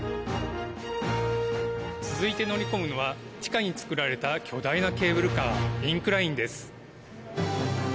続いて乗り込むのは地下に造られた巨大なケーブルカーインクラインです。